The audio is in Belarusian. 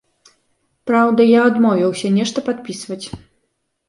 Праўда, я адмовіўся нешта падпісваць.